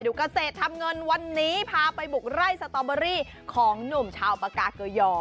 เกษตรทำเงินวันนี้พาไปบุกไล่สตอเบอรี่ของหนุ่มชาวปากาเกยอ